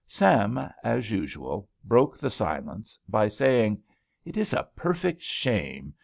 Sam, as usual, broke the silence by saying, "It is a perfect shame!